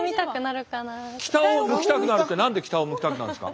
北を向きたくなるって何で北を向きたくなるんですか？